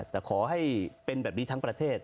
แต่ขอให้เป็นแบบนี้ทั้งประเทศ